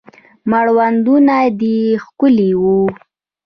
مړوندونه دې ښکلي وه